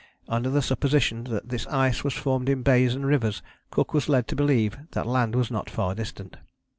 Under the supposition that this ice was formed in bays and rivers Cook was led to believe that land was not far distant.